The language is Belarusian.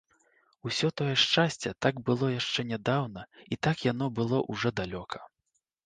Усё тое шчасце так было яшчэ нядаўна і так яно было ўжо далёка.